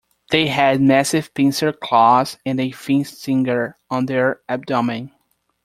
They had massive pincer claws and a thin stinger on their abdomen.